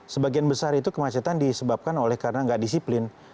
sebagian besar itu kemacetan disebabkan oleh karena nggak disiplin